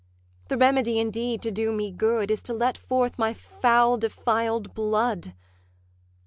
The remedy indeed to do me good Is to let forth my foul defiled blood.